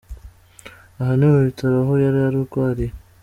Aha ni mu bitaro aho yari arwariye.